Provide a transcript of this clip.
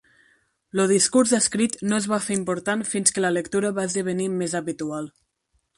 El discurs escrit no es va fer important fins que la lectura va esdevenir més habitual.